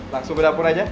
langsung berdapur aja